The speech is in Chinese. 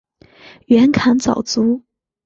袁侃早卒。